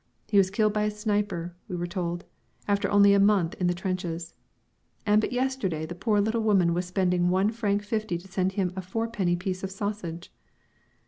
He was killed by a sniper, we were told, after only one month in the trenches; and but yesterday the poor little woman was spending one franc fifty to send him a fourpenny piece of sausage.